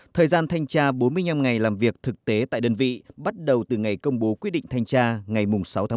thời gian thanh tra bốn mươi năm ngày làm việc thực tế tại đơn vị bắt đầu từ ngày công bố quyết định thanh tra ngày sáu tháng một mươi